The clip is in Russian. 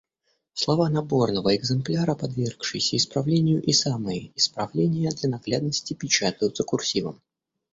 Слова наборного экземпляра, подвергшиеся исправлению, и самые исправления для наглядности печатаются курсивом.